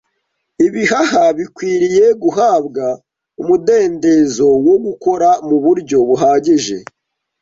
Ibihaha bikwiriye guhabwa umudendezo wo gukora mu buryo buhagije.